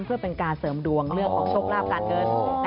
เพื่อเป็นการเสริมดวงเรื่องของโชคลาภการเงิน